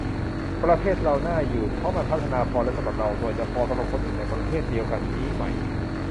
ประเทศเราน่าอยู่ เพราะมันพัฒนาพอแล้วสำหรับเรา ส่วนจะพอสำหรับคนอื่นในประเทศเดียวกันนี้ไหม